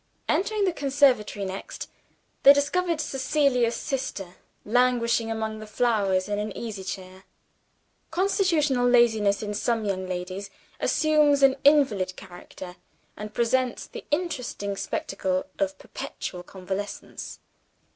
Entering the conservatory next, they discovered Cecilia's sister languishing among the flowers in an easy chair. Constitutional laziness, in some young ladies, assumes an invalid character, and presents the interesting spectacle of perpetual convalescence.